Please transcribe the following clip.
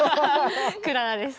クララです。